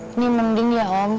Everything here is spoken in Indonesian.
ini mending ya om